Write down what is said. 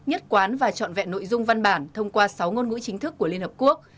nhất quán và trọn vẹn nội dung văn bản thông qua sáu ngôn ngữ chính thức của liên hợp quốc